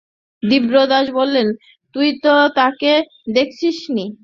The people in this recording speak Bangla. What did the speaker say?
বিপ্রদাস বললে, তুই তো তাঁকে দেখিস নি।